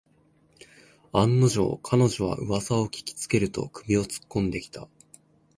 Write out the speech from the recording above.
案の定、彼女はうわさを聞きつけると首をつっこんできた